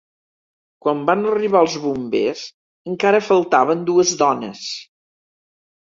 Quan van arribar els bombers, encara faltaven dues dones.